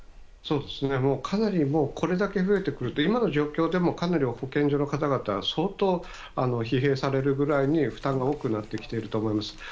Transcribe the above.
かなりこれだけ増えてくると今の状況でもかなり保健所の方々は相当、疲弊されるぐらいに負担が多くなってきていると思います。